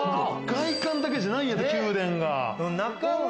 外観だけじゃないんや、宮殿は。